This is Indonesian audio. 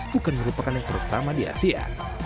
bukan merupakan yang pertama di asia